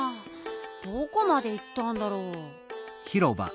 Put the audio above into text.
どこまでいったんだろう。